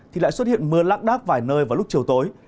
thì lại xuất hiện mưa lắc đắc vài nơi vào lúc chiều tối